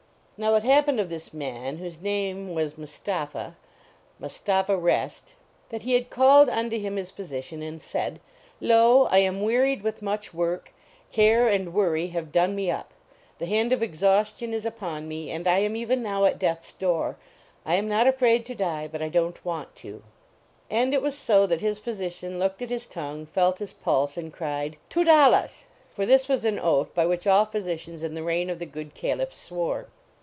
Now, it happened of this man, whose name was Mustapha Mus tapha Rest that he had called unto him his physician and said :" Lo, I am wearied with much work ; care and worry have done me up; the hand of [86 Tin: VACATION or MI STAPIIA exhaustion is upon me, and I am even now at death s door. I am not afraid to die, but I don t want to." And it was so that his physician looked at his tongue, felt his pulse and cried, " Twodollahs!" (for this was an oath by which all physicians in the reign of the good Caliph swore).